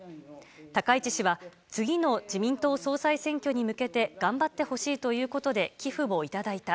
高市氏は、次の自民党総裁選挙に向けて頑張ってほしいということで寄付を頂いた。